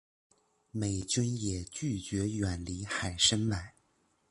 美军也拒绝远离海参崴。